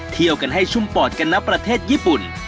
เที่ยวกันให้ชุ่มปอดกันนะประเทศญี่ปุ่น